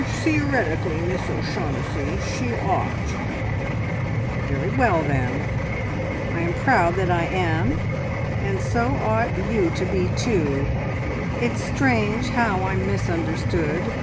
"Er theoretically, Miss O'Shaughnessy, she ought!" "Very well, then. I am proud that I am, and so ought you to be, too. ... It's strange how I'm misunderstood!